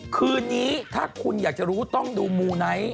คืนนี้ถ้าคุณอยากจะรู้ต้องดูมูไนท์